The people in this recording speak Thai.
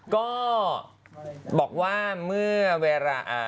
ก็บอกว่าเมื่อเวลา